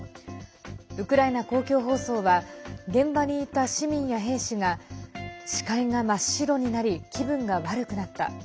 ウクライナ公共放送は現場にいた市民や兵士が視界が真っ白になり気分が悪くなった。